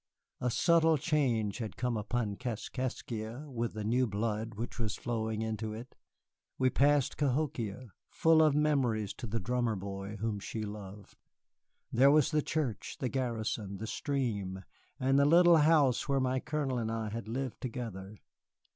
A subtle change had come upon Kaskaskia with the new blood which was flowing into it: we passed Cahokia, full of memories to the drummer boy whom she loved. There was the church, the garrison, the stream, and the little house where my Colonel and I had lived together.